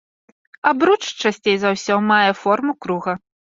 Абруч часцей за ўсе мае форму круга.